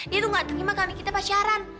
dia tuh gak terima kami kita pacaran